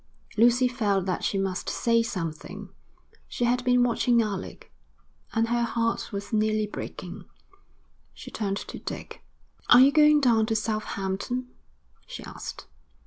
Lucy felt that she must say something. She had been watching Alec, and her heart was nearly breaking. She turned to Dick. 'Are you going down to Southampton?' she asked.